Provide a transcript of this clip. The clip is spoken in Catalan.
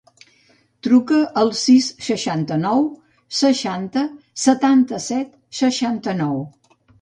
Truca al sis, seixanta-nou, seixanta, setanta-set, seixanta-nou.